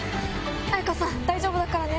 彩夏さん大丈夫だからね。